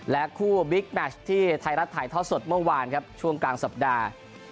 และคู่บิ๊กแมชที่ไทยรัฐถ่ายทอดสดเมื่อวานครับช่วงกลางสัปดาห์